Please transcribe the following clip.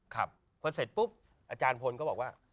ครับพอเสร็จปุ๊บอาจารย์พลก็บอกว่า